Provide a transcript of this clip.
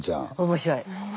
面白い。